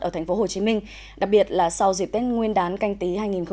ở tp hcm đặc biệt là sau dịp tết nguyên đán canh tí hai nghìn hai mươi